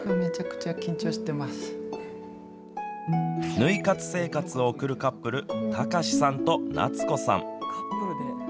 ぬい活生活を送るカップル貴さんと夏子さん。